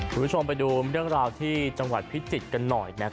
คุณผู้ชมไปดูเรื่องราวที่จังหวัดพิจิตรกันหน่อยนะครับ